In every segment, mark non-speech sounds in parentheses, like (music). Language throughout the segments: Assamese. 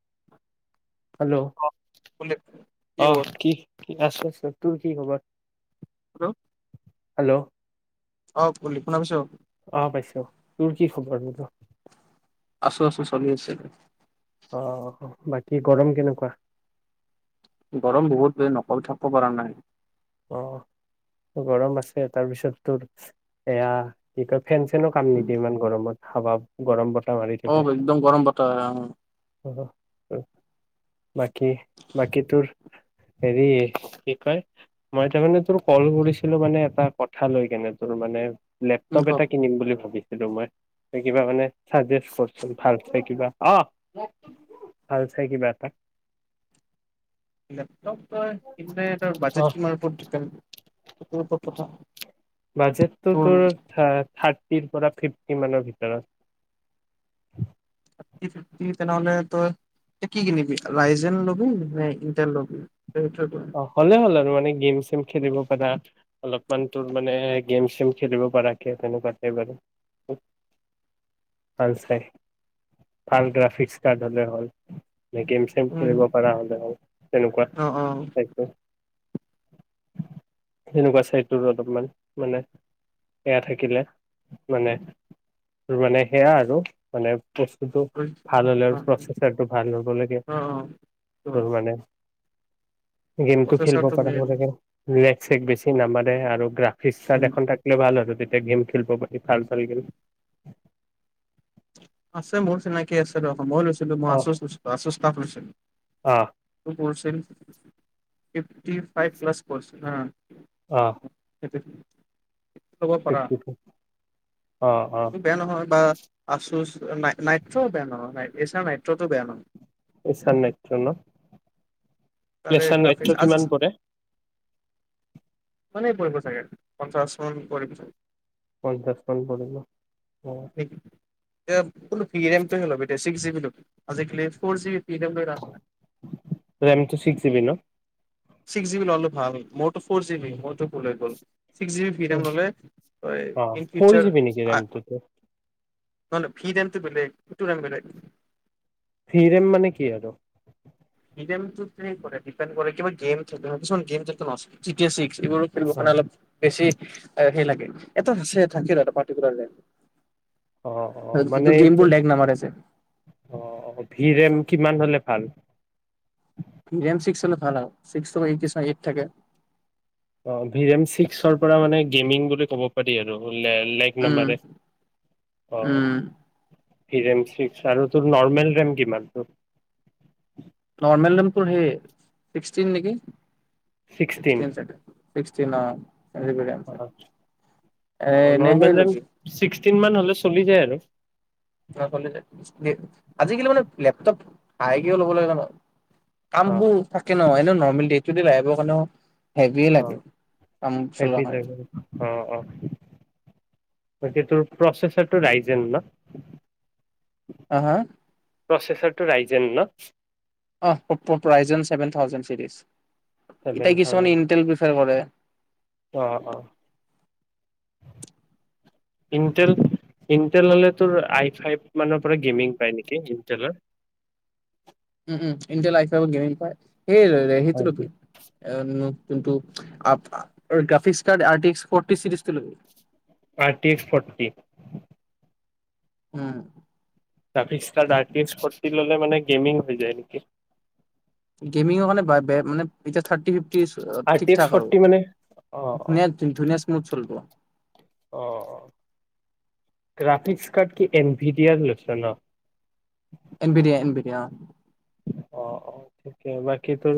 (inaudible) হেল্ল' অ', কোনে আহ কি আছে আছে তোৰ কি খবৰ? হেল্ল'। হেল্ল' অ কলি শুনা পাইছ অ পাইছো তোৰ কি বৰ বোলো? আছো আছো চলি আছে অ বাকী গৰম কেনেকুৱা গৰম বহুত বে নকবি থাকবো পাৰা নাই। অ গৰম আছে তাৰপিছত তোৰ এয়া কি কয় ফেন চেনো কাম নিদিিয় ইমান গৰমত হাবা গৰম বৰ অ একদম গৰম বতাহ আহে অ অ বাকী, বাকী তোৰ হেৰি, কি কয়? মই তাৰমানে, তোৰ কল কৰিছিলোঁ মানে, এটা কথা লৈ কেনে, তোৰ মানে উম ক লেপটপ এটা কিনিম বুলি ভাবি তোমাৰ, এ কিবা মানে, চাজেষ্ট কৰ চোন ভাল চাই কিবা। অ ভাল চাই কিবা এটা লেপটপৰ ইণ্টাৰনেটৰ অ বাজেট তোমাৰ ওপৰত (unintelligible) তোৰ ওপৰত কথা। বাজেটটো তোৰ থা থাৰ টিৰ পৰা ফিফটি মানৰ ভিতৰত। ফৰটি, ফিফটি তেনেহ'লে, তই তে কি কিনিবি? ৰাইজেন ল'বি নে ইনটেল ল'বি? অ' হ'লে হ'ল আৰু মানে, গেম-চেম খেলিব পাৰা। অলপমান তোৰ মানে, গেম-চেম খেলিব পৰাকে তেনেকুৱা টাইপ লাগে। উম ভাল চাই, ভাল গ্ৰাফিক্স কাৰ্ড হ'লে হ'ল। গে গেম চেম উম খেলিব পৰা হ'লে হ'ল। তেনেকুৱা অ অ এক বাৰ। সেনেকুৱা চাইডৰ অলপমান মানে সেয়া থাকিলে, মানে মানে, সেয়া আৰু মানে বস্তুটো ভাল হ'লে আৰু প্ৰচেচাৰটো ভাল হ'ব লাগে অ অ অ তোৰ মানে। গেমটো খেলিব প্ৰচেছৰটো পাৰা মেইন হ'ব লাগে। লেগ-চেগ বেছি নামাৰে আৰু গ্ৰাফ ফিচাৰ উম এখন থাকিলে ভাল আৰু তেত তে গেম খেলিব পাই গেল আছে, মোৰ চিনাকি আছে ৰ অ' মই লৈছিলোঁ। মই আছুছ লৈছোঁ, আছুছ টাফ লৈছোঁ। (inaudible) আহ পৰিছিল ফিফটি ফাইভ প্লাছ পৰিছিল, অ হা তাতে ল'ব পাৰা ফিফটি অ অ বেয়া নহয়, বা আছুছ নাই নাইট্ৰো বেয়া নহয়, নাই এচাৰ নাইট্ৰোটো বেয়া নহয়। এচাৰ নাইট্ৰো ন? এচাৰ নাইট্ৰো কিমান পৰে? ইমানে পৰিব ছাগে পঞ্চাশ মান পৰিব ছাগে। পঞ্চাছ মান পৰিব। অ। এব বোলো ভি ৰেমটোহে লবি, তে ছিক্স জিবি লবি। আজিকালি ফৰ জিবি ভি ৰেম লৈ লাভ নাই। ৰেমটো ছিক্স জিবি ন ছিক্স জিবি ল'লে ভাল মোৰ ফ'ৰ জি বি মইতো ক'লে গ'ল। ছিক্স জি বি ভিম ৰিম ল'লে অ ইন ফ'ৰ ফিউচাৰ জিবি নেকি ৰেমটোতো নহলে ভিদনটো বেলেগ ইটো ৰাণ বেলেগ। ফিৰেম মানে কি আৰু? গেমটো প্লে কৰে, দিপেণ্ড কৰে কিবা গেম (unintelligible) কিছুমান গেম যেনেকে (unintelligible) ছিক্স। ফ ফৰ অ কাৰণে অলপ বেছি সেই লাগে এটা থাকে না পাৰ্টিকুলাৰ (unintelligible) অ', অ' মানে যিটো এইটো গেমবোৰ লেগ নামাৰে যে অ' ভি ৰেম। কিমান হ'লে ভাল? ন-ন, ছিক্স টো এইট নিচিনা এইট থাকে, অ', ভি ৰেম ছিক্সৰ পৰা মানে গেমিং বুলি ক'ব পাৰি আৰু লে-লেগ না। উম অ উম ছিক্স আৰু তোৰ নৰ্মেল ৰেম কিমানটো? নৰ্মেলমপুৰ সেই ছিক্সটিন নেকি? (inaudible) ছিক্সটিন ছিক্স টিনা। এ এনেহে নৰ্মেল ৰেম ল'বি ছিক্সটিন হ চলি যায় আৰু আই কি ল'বলৈ (inaudible) অ কাম্বু থাকে নহয় ন নৰ্মেলটো ডে টো আহিব কাৰণেও হেভিয়ে অ, লাগে কাম চলোৱাৰ সেইটো ল কাৰণে অ, অ। তাকে তোৰ প্ৰচেছাৰটো ৰাইজে ন'। আহ' হা। প্ৰচেছৰটো ৰাইজেন ন'। অ প্ৰ prize seven thousand series. Seven এতিয়া কিছুমানে থাউজেণ্ড ইনটল প্ৰফাৰ কৰে। অ' অ' ইণ্টেল ইণ্টেল হ'লে তোৰ আই ফাইভ মানৰ পৰা গেমিং পায় নেকি ইণ্টেলৰ। উম, উম। (unintelligible) গেমিং পায়। (unintelligible) হয় হয় অ'। কিন্তু আ-আ গ্ৰাফিক্ট ষ্টাৰ্ট আৰ্টিষ্ট ফটি চিৰিজটো লবি। আৰটিক ফৰ্টি। উম। তাৰপিছষ্টাৰ আৰ্টিষ্ট শিকি ললে মানে গেমিং হৈ যায় নেকি? গেমিংৰ কাৰণে ব-বে মানে এতিয়া থাত (unintelligible) আৰ টি ঠিক এক্স ঠাক আৰু ফৰ্টি মানে অ অ ধুনীয়া ধুনীয়া মোড চলব। অ' গ্ৰাফিক্স কাৰ্ড কি এন ভি ডি আৰ লৈছে ন? (unintelligible) অঁ অঁ থিকে বাকী তোৰ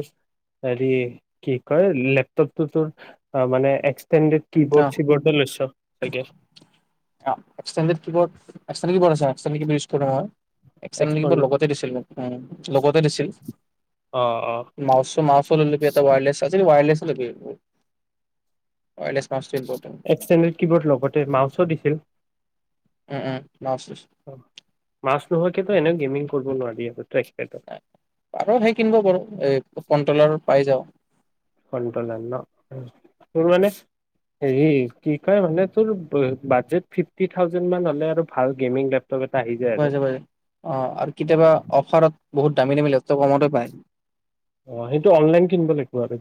হেৰি কি কয় লেপটপতো তোৰ মানে তেন্তে অ কীবৰ্ড ছীবৰ্ডু লৈছ আই গেছ অঁ extended keyboard external keyboard external keyboard use কৰা হয়। এক্সটাৰ্নেল এক্সপন কীবৰ্ড লগতে দিছিল মোক উম লগতে দিছিল। অ অ মাউচ মাউচো লৈ লবি এটা ৱাইৰলেছ ৱাইৰলেছে লবি ৱাইৰলেছ মাউচ এক্সটেন্দেদ কীবৰ্ড লগতে মাউচো দিছিল। উম উম মাউচটো মাউচ নোহোৱাকেতো এনেও গেমিং (unintelligible) পাৰ সেই কিনব পাৰ এ কন তলৰ পাই যাওঁ। (unintelligible) তোৰ মানে হেৰি কি কয় মানে তোৰ বাজেট ফিফটি থাউজেণ্ড হলে আৰু ভাল গেমিং লেপটপ এটা আহি যায় আৰু অঁ আৰু কেতিয়াবা অফাৰত বহুত দামী দামী লেপটপ কমতে পায় অ' সেইটো অনলাইন কিনব লাগব আৰু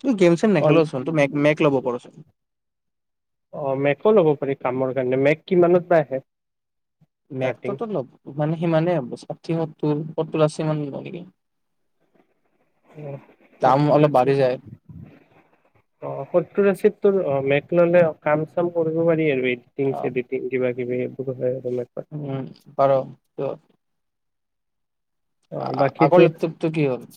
তোৰ গেম চেম নেখেলচোন তো মেক মেক ল'ব পাৰচোন (unintelligible) (unintelligible) অ' মেকো লব পাৰে কামৰ কাৰণে মেক কিমানত বা আহে? ষ্টাৰ্টিং মেকটোতো ন মানে সিমানেই হব ষাঠি সত্তুৰ সত্তুৰ আচ (unintelligible) অ' সত্তুৰ আচি যায় অ' সত্তুৰ আচি তোৰ মেক মেক ল'লে কাম চাম কৰিব পাৰি আৰু এডিটিং অ চেদিতিং কিবা (unintelligible) উম পাৰ অ বাকীতো আগৰ লেপটপটো কি হ'ল।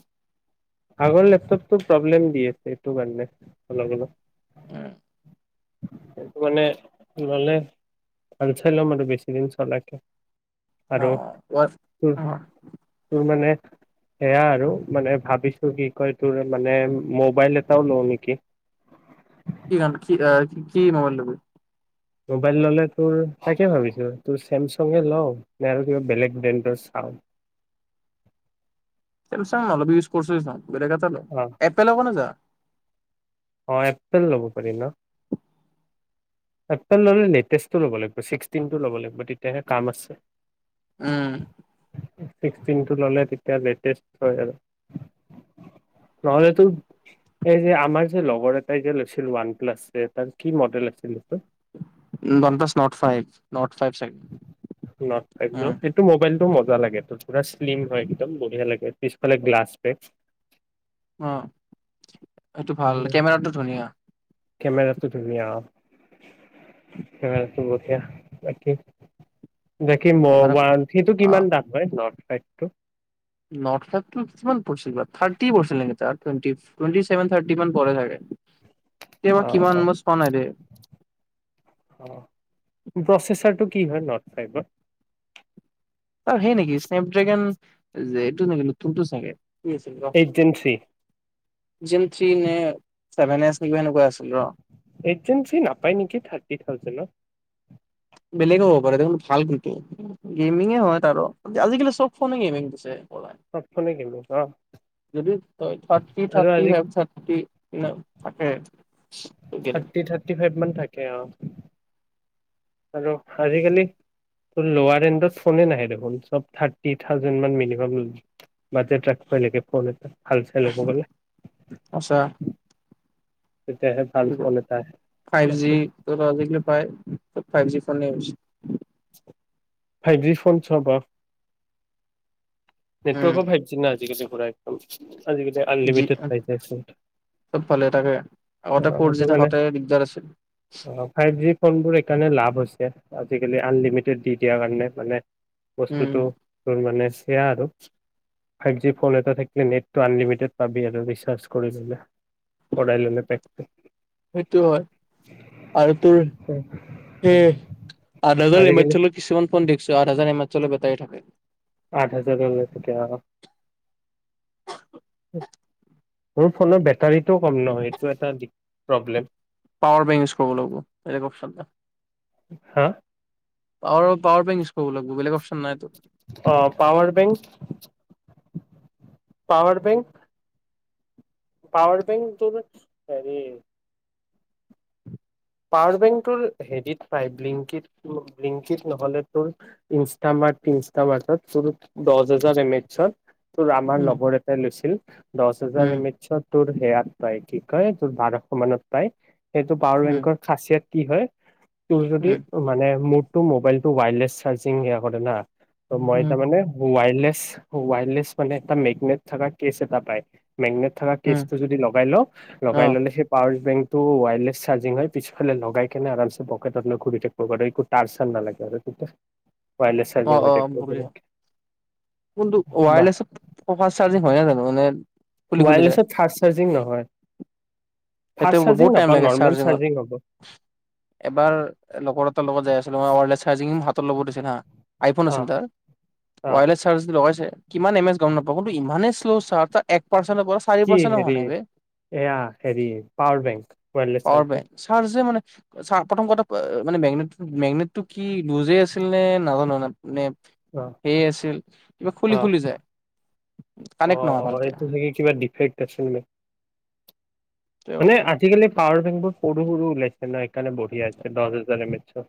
আগৰ লেপটপটো প্ৰব্লেম দি আছে এটো কাৰণে সলাই দিলোঁ। উম সেইটো মানে ললে ভাল চাই ল'ম আৰু বেছিদিন চলাকে। আৰু অ' অ' (unintelligible) সেইয়া আৰু মানে ভাবিছো তোৰ কি কয় তোৰ মানে মোবাইল এটাও লও নেকি কি (unintelligible) আ কি মোবাইল লবি? মোবাইল ললে তোৰ তাকে ভাবিছো তোৰ ছেমছাংগে লওঁ নে আৰু কিবা বেলেগ ব্ৰেণ্ডৰ চাওঁ ছেমছাং নলবি ইউচ কৰিছ এই চোন। বেলেগ এটা ল অ এপেল হব ন যা অ', এপ্পেল ল'ব পাৰি ন, এপ্পেল ল'লে লেটেষ্টটো ল'ব লাগিব ছিক্সটিনটো ল'ব লাগিব তেতিয়াহে কাম আছে। উম' ছিক্সটিনটো ল'লে তেতিয়া লেটেষ্ট হয় আৰু, নহলেতো এই যে আমাৰ যে লগৰ এটাই যে লৈছিল ওৱান প্লাছ এ তাৰ কি মডেল আছিল এইটো? নন্দচ নত ফাইভ নত নত ফাইভ ন কিন্তু মোবাইলটো মৰ টোৱা লাগে ত পুৰা শ্লিম হয় একদম বঢ়িয়া লাগে পিছফালে গ্লাছ পেক অ', এইটো ভাল, কেমেৰাটো ধুনীয়া কেমেৰাটো ধুনীয়া অ', কেমেৰাটো বঢ়িয়া তাকে দেখি কেমেৰা মোবাইল সেইটো কিমান দাম হয় নৰ্থ পেটটো নত ফাইভটো কিমান পৰিছিল বা থাৰ্টি পৰিছিল নেকি তাৰ টোৱেন্টি টোৱেণ্টি চেভেন থাৰ্টি মান পৰে চাগে কেতিয়াবা কিমান অ', অ', মই চোৱা নাই দেই অ' প্ৰচেচাৰটো কি হয় নৰ্থ ফাইবৰ তাৰ সেই নেকি স্নেপ ড্ৰেগন যে এইটো নেকি নতুনটো চাগে এজেঞ্চি জিম থ্ৰী নে চেভেন এচ কিবা এনেকুৱা আছিল ৰ' এচ এম চি নাপায় নেকি থাৰ্টি থাউজেনত বেলেগও হ'ব পাৰে দেখোন ভাল কিন্তু গেমিঙে হয় তাৰো আজিকালি চব ফোনে গেমিং দিছে পৰা চবফোনে গেমিং অ যদি তই থাৰ্টি আৰু থাৰ্টি আজি ফাইভ থাৰ্টি মান থাকে দিয়েনে মন থাকে অ' আৰু আজিকালি লৌৱাৰ ৰেণ্ডত ফোনে নাহে দেখোন চব থাৰ্টি থাউজেন মান মিনিমাম বাজেট ৰাখাবাই লাগে ফোন এটা ভাল চাই লোব আচ্ছা আহে ফাইভ বাকী জি পায়। Five G phone use five G phone উম। নেটৱৰ্কও ফাইভ জি না আজিকালি পুৰা একদম আজি কালি জি আনলিমিটেড পাই, চব ভালে থাকে অ আগতে ফ'ৰ জি সেইটো কাৰণে থাকোতে দিগদাৰ আছিল। অ ফাইভ জি ফোন বোৰ এ সেইকাৰণে লাভ হৈছে, আজিকালি আনলিমিটেড দি দিয়াৰ কাৰণে মানে উম বস্তুতটো তোৰ মানে। সেয়া আৰু ফাইভ জি ফোন এটা থাকিলে নেটটো আনলিমিটেড পাবি আৰু ৰিচাৰ্জ কৰি ললে। ভৰাই ললে পেকটো সেইটো হয়, আৰু তোৰ আজিকালি সেই কিছুমান ফোন একশ আঠ হাজাৰ (unintelligible) চলে বেটাই থাকে আঠ হাজাৰে আহ মোৰ ফোনৰ বেটাৰীটোও কম নহয় এইটো এটা the problem power bank use কৰিব লাগিব (unintelligible) হা পাৱাৰৰ পাৱাৰ বেংক ইউজ কৰিব লাগিব বেলেগ অপচন নাইতো অ' power bank power bank power bank তোৰ ন হেৰি পাৱাৰ বেংটোৰ হেৰিত পায় বিংকিত ৰিংকিত নহ'লে তোৰ ইষ্টামাৰ ফিষ্টামাৰত তোৰ দু হেজাৰ এম এইচত তোৰ আমাৰ উম লগৰ এটাই লৈছিল। দহ হাজাৰ উম এমিতি চ তোৰোৰ সয়া তায় কি কয় তোৰ বাৰশ মানত পায়। সেইটো পাৱাৰ উম বেংকৰ খাচিয়াত কি হয় তোৰ যদি উম মানে ম টো মোবাইল টো ৱাইাৰলেছ চাৰ্জিং সেইয়া কৰে। উম মইতা মানে ওৱায়ৰলেছ ৱায়লেছ মে এটা মেঘনেত থকা কেছ এটা পায় মেগনেট থকা উম কেচটো যদি লগাই ল অ লগাই ল'লে সেই পাৱাৰ বেংক তো ৱাইলেছ চাৰ্জিং হয় পিছফালে লগাই কেনে আম পকেটতৈ ঘূৰি থাকিবাৰ এক তাৰ চাৰ নালাগে আৰু ৱায়াৰলেছ চাৰ্জিং হৈ থাকিব পাৰে অ' অ'। বা (unintelligible) মানে খুলি খুলি যায় ৱাইাৰলেছৰ ফাৰ্ষ্ট চাৰ্জিং ন? হয় সেইটো বহুত টাইম লাগ চাৰ্জিঙত চাৰ্জিং হ'ব এবাৰ লগৰ এটাৰ লগত যাই আছিলো (unintelligible) চাৰ্জিং ভাল তলবু দিছে না আইফোন অ আছে তাৰ অ ৱাইৰলেছ চাৰ্জ যদি লগাইছে কিমান এম এছ গম নাপাওঁ কিন্তু ইমানেই শ্ল' চাৰ্ (unintelligible) (unintelligible) চাৰি কি পেৰ্চেণ্টো হোৱা হেৰি নাই বে এয়া পাৱাৰ বেংক (unintelligible) লেছ চাৰকে চাওঁক প্ৰথম কথা মানে মেগনেট মেগনেটো কি লুজে আছিল নে নাজানো (unintelligible) মানে অ সেইয় আছিল কিবা খুলি অ খুলি যায় অ কানেক্ট নহয় অ ভালকে। সেইটো চাগে কিবা ডিফেক্ট আছিল নে সেইটোৱে মানে কথা আজিকালি পাৱাৰ সৰু সৰু ওলাইছে ন একানে বঢ়িয়া আছে দহ হেজাৰ এ মে চ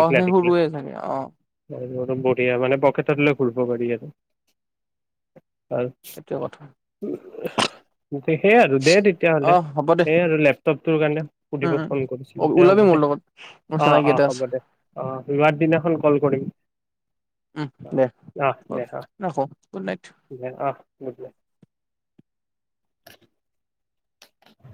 অ সেই সৰুৱে থাকে অ বঢ়িয়া মানে পকেটত লৈ ঘূৰিব পাৰি আৰু আৰু সেইটোৱে আচ্ছা। কথা উ। সেইয় আৰু দে অ তেতিয়াহ'লে হ'ব দে এই আৰু লেপটপটোৰ কাৰণে সুধিব উম ফোন কৰিছিলো উম দে ওলাবি হ'ব মোৰ দে লগত মোৰ আহ চিনাকি আহ এটা আছে হ'ব দে আহ ৰোৱাৰ দিনাখন কল কৰিম উম দে দে আহ আহ বাৰু দে ৰাখো গুড নাইট আহ দে আহ গুডবাই। (inaudible)